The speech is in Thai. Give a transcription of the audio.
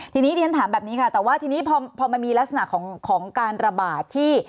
ทีนี้เรียนถามแบบนี้ค่ะแต่ว่าทีนี้พอมันมีลักษณะของการระบาดที่